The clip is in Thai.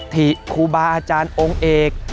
ถิครูบาอาจารย์องค์เอก